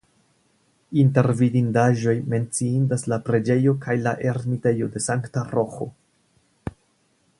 Inter vidindaĵoj menciindas la preĝejo kaj la ermitejo de Sankta Roĥo.